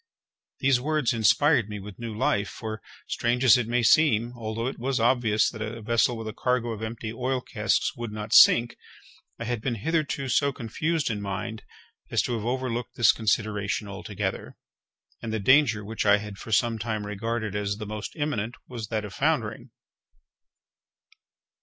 These words inspired me with new life; for, strange as it may seem, although it was obvious that a vessel with a cargo of empty oil casks would not sink, I had been hitherto so confused in mind as to have overlooked this consideration altogether; and the danger which I had for some time regarded as the most imminent was that of foundering.